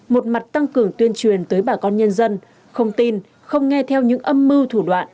một mặt tăng cường tuyên truyền tới bà con nhân dân không tin không nghe theo những âm mưu thủ đoạn